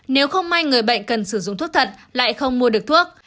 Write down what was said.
nếu không may người bệnh cần sử dụng thuốc thận lại không mua được thuốc